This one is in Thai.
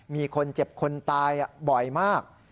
มีคนเจ็บคนตายบ่อยมาก